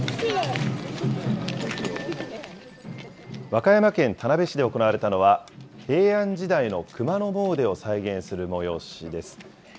和歌山県田辺市で行われたのは、平安時代の熊野詣でを再現する催しです。